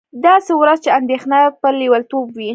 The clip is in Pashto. داسې ورځ چې اندېښنه به لېونتوب وي